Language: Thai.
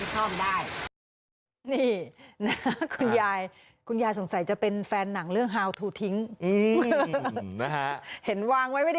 ก็คือยายยายขายไปให้เข้าไป๑๐๐๐บาท